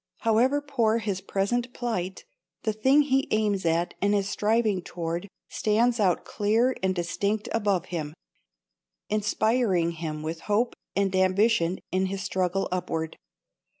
However poor his present plight, the thing he aims at and is striving toward stands out clear and distinct above him, inspiring him with hope and ambition in his struggle upward.